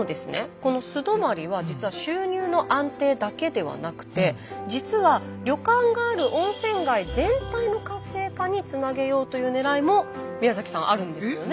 この素泊まりは実は収入の安定だけではなくて実は旅館がある温泉街全体の活性化につなげようというねらいも宮さんあるんですよね？